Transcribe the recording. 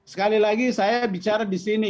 sekali lagi saya bicara disini